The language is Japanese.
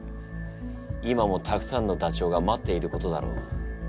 今もたくさんのダチョウが待っていることだろう。